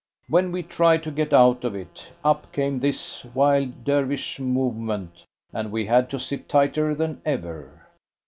When we tried to get out of it, up came this wild Dervish movement, and we had to sit tighter than ever.